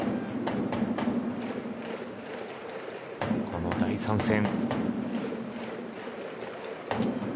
この第３戦。